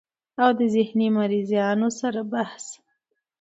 او د ذهني مريضانو سره بحث